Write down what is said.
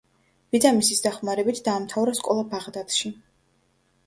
ბიძამისის დახმარებით დაამთავრა სკოლა ბაღდადში.